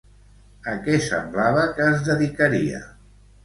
A què semblava que es dedicaria?